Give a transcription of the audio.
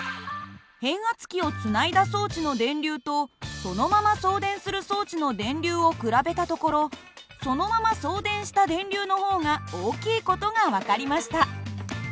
変圧器をつないだ装置の電流とそのまま送電する装置の電流を比べたところそのまま送電した電流の方が大きい事が分かりました。